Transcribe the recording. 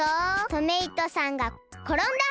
トメイトさんがころんだ。